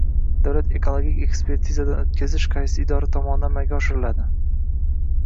Davlat ekologik ekspertizadan o‘tkazish qaysi idora tomonidan amalga oshiriladi?